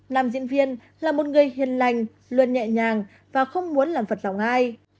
nam diễn viên là một người hiền lành luôn nhẹ nhàng và không muốn làm vật lòng ai